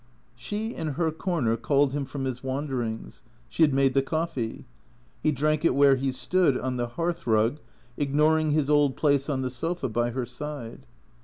She in her corner called him from his wanderings. She had made the coffee. He drank it where he stood, on the hcaitbrug, ignoring his old place on the sofa by her side.